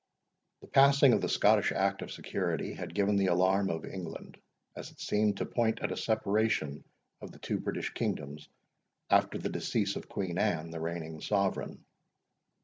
The passing of the Scottish act of security had given the alarm of England, as it seemed to point at a separation of the two British kingdoms, after the decease of Queen Anne, the reigning sovereign.